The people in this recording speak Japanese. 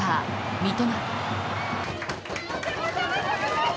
三笘！